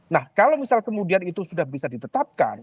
nah kalau misal kemudian itu sudah bisa ditetapkan